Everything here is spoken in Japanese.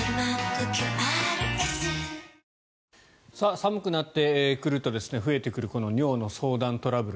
寒くなってくると増えてくる尿の相談トラブル